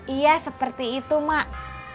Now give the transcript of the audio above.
iya seperti itu mak